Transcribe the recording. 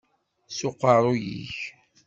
S uqeṛṛu-k!